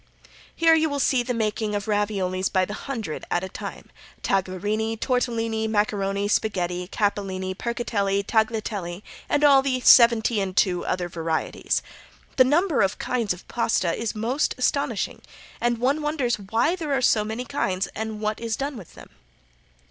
Here you will see the making of raviolis by the hundred at a time. Tagliarini, tortilini, macaroni, spaghetti, capellini, percatelli, tagliatelli, and all the seventy and two other varieties. The number of kinds of paste is most astonishing, and one wonders why there are so many kinds and what is done with them.